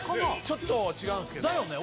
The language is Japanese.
ちょっと違うんですけどだよね